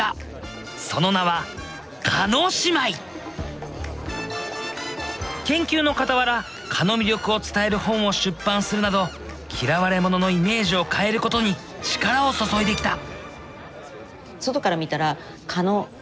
その名は研究のかたわら蚊の魅力を伝える本を出版するなど嫌われ者のイメージを変えることに力を注いできた。